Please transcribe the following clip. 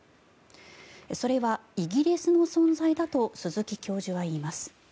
それはイギリスの存在だと鈴木教授は言います。